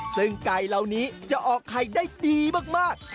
ซึ่งไก่เหล่านี้จะออกไข่ได้ดีมาก